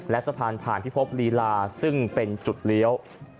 และสะพานผ่านพิภพลีลาซึ่งเป็นจุดเลี้ยว